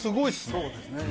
そうですね